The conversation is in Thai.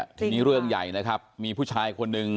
ทีนี้เรื่องใหญ่นะครับมีผู้ชายคนหนึ่ง